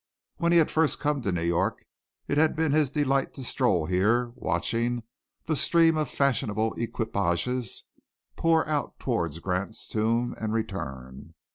When he had first come to New York it had been his delight to stroll here watching the stream of fashionable equipages pour out towards Grant's Tomb and return.